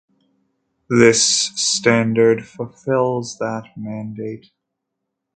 This Standard fulfills that mandate.